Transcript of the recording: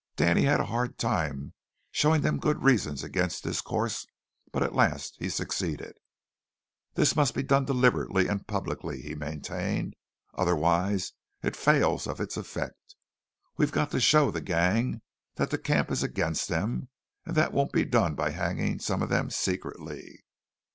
Danny had a hard time showing them good reasons against this course, but at last he succeeded. "This must be done deliberately and publicly," he maintained. "Otherwise it fails of its effect. We've got to show the gang that the camp is against them; and that won't be done by hanging some of them secretly."